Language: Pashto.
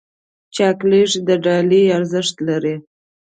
چاکلېټ د ډالۍ ارزښت لري.